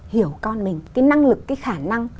hiểu con mình cái năng lực cái khả năng